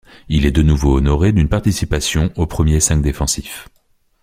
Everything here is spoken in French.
Il est de nouveau honoré d'une participation au premier cinq défensif.